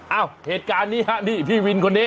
เอ้าเหตุการณ์นี้ฮะนี่พี่วินคนนี้